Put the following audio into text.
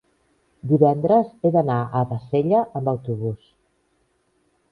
divendres he d'anar a Bassella amb autobús.